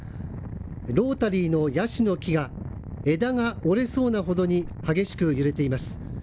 ロータリーのヤシの木が枝が折れそうなほどに激しく揺れています。